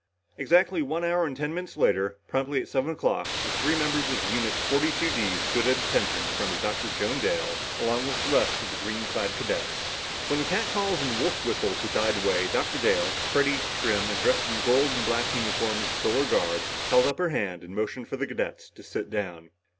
Exactly one hour and ten minutes later, promptly at seven o'clock, the three members of Unit 42 D stood at attention in front of Dr. Joan Dale, along with the rest of the green clad cadets. When the catcalls and wolf whistles had died away, Dr. Dale, pretty, trim, and dressed in the gold and black uniform of the Solar Guard, held up her hand and motioned for the cadets to sit down.